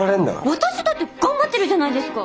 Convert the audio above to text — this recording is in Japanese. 私だって頑張ってるじゃないですか！